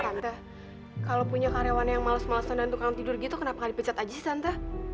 tante kalau punya karyawan yang males malesan dan tukang tidur gitu kenapa gak dipecat aja sih tante